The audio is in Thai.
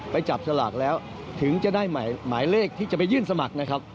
ไปจับสลากแล้วถึงจะได้หมายเลขที่จะไปยื่นสมัครนะครับ